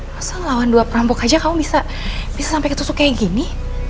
masa ngelawan dua perampok aja kamu bisa bisa sampai ketusuk kayak gini